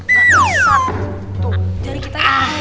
jadi kita yang muat